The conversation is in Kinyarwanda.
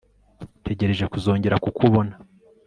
ntegereje kuzongera kukubona